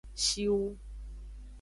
Shiwu.